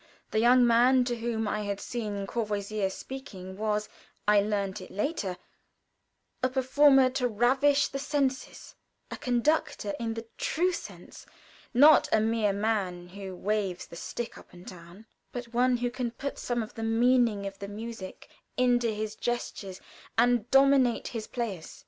The young man to whom I had seen Courvoisier speaking was I learned it later a performer to ravish the senses, a conductor in the true sense not a mere man who waves the stick up and down, but one who can put some of the meaning of the music into his gestures and dominate his players.